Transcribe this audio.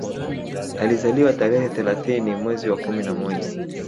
Alizaliwa tarehe thelathini mwezi wa kumi na moja